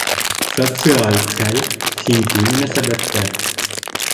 Социаль хәл, синфи мөнәсәбәттәр